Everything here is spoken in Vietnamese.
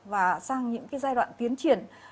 và sang những giai đoạn tiến triển